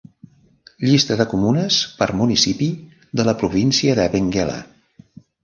Llista de comunes per municipi de la província de Benguela.